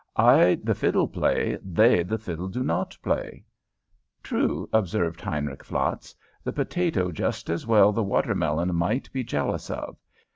"I the fiddle play; they the fiddle do not play." "True," observed Heinrich Flatz. "The potato just as well the watermelon might be jealous of.